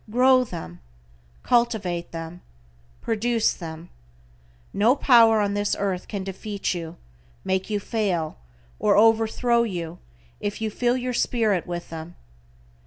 Grow them. Cultivate them. Produce them. No power on this earth can defeat you, make you fail, or over throw you if you fill your Spirit with them.